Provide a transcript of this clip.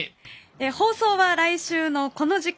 放送は、来週のこの時間。